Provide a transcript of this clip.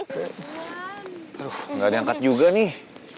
aduh gak diangkat juga nih